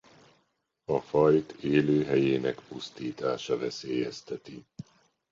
A fajt élőhelyének pusztítása veszélyezteti.